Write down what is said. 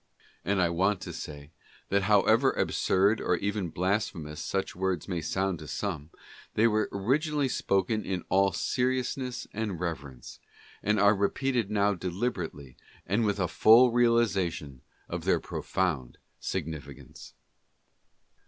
'' And I want to say, that however absurd or even blasphemous such words may sound to some, they were originally spoken in all seriousness and reverence, and are repeated now deliberately and with a full re alization of their profound significance.